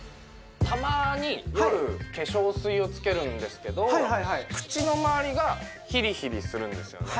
たまに夜化粧水をつけるんですけど口の周りがヒリヒリするんですよね